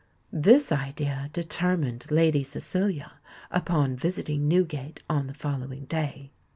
This idea determined Lady Cecilia upon visiting Newgate on the following day.